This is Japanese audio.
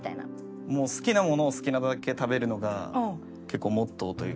好きなものを好きなだけ食べるのが結構モットーというか。